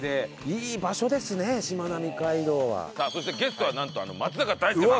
そしてゲストはなんとあの松坂大輔さん。